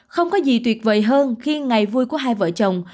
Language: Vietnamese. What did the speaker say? không có gì tuyệt vời hơn khi ngày vui của hai vợ chồng